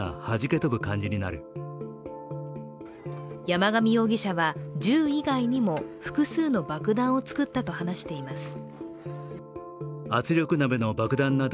山上容疑者は、銃以外にも複数の爆弾を作ったと話しています。